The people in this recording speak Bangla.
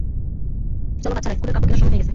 চলো বাচ্চারা স্কুলের কাপড় কেনার সময় হয়ে গেছে।